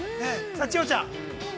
さあ千穂ちゃん。